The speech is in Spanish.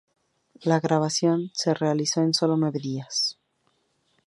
La grabación se realizó en solo nueve días.